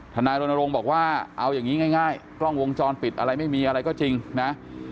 นายรณรงค์บอกว่าเอาอย่างนี้ง่ายกล้องวงจรปิดอะไรไม่มีอะไรก็จริงนะ